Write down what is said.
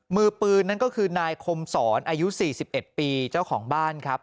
มือปืนนั่นก็คือนายคมสอนอายุ๔๑ปีเจ้าของบ้านครับ